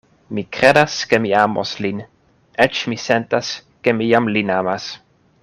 Mi kredas, ke mi amos lin; eĉ mi sentas, ke mi jam lin amas.